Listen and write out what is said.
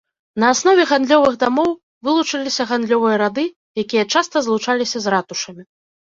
На аснове гандлёвых дамоў вылучыліся гандлёвыя рады, якія часта злучаліся з ратушамі.